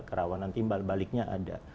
kerawanan timbal baliknya ada